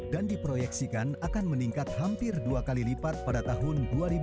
dan diproyeksikan akan meningkat hampir dua kali lipat pada tahun dua ribu dua puluh lima